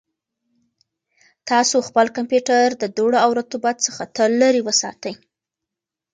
تاسو خپل کمپیوټر د دوړو او رطوبت څخه تل لرې وساتئ.